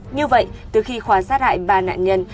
như vậy từ khi khoa sát hại ba nạn nhân